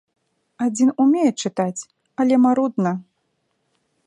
Адзін умее чытаць, але марудна.